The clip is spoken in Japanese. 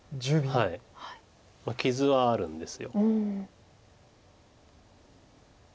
傷はあるんです。